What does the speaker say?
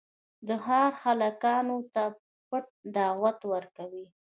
د ښار هلکانو ته پټ دعوت ورکوي.